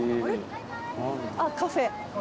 あっカフェ。